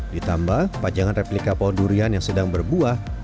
ditambah pajangan replika pohon durian yang sedang berbuah